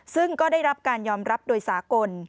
ซึ่งก็ได้รับการยอมรับโดยสากล